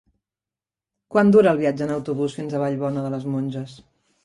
Quant dura el viatge en autobús fins a Vallbona de les Monges?